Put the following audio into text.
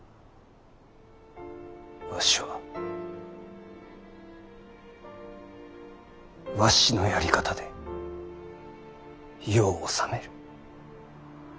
わしはわしのやり方で世を治める。